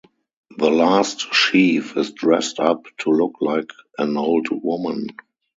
The last sheaf is dressed up to look like an old woman.